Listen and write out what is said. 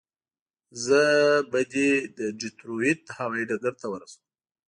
زه به دې د ډیترویت هوایي ډګر ته ورسوم.